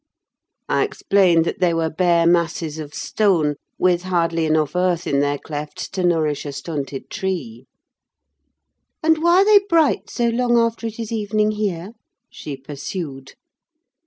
I explained that they were bare masses of stone, with hardly enough earth in their clefts to nourish a stunted tree. "And why are they bright so long after it is evening here?" she pursued.